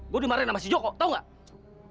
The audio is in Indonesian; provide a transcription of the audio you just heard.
gue dimarahin sama si joko tau gak